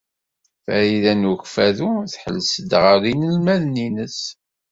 Farida n Ukeffadu tḥelles-d ɣer yinelmaden-nnes.